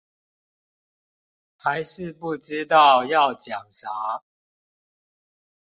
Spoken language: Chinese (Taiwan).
還是不知道要講啥